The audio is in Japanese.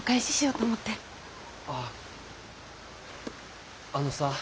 あっあのさ